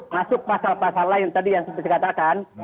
masuk pasal pasal lain tadi yang seperti katakan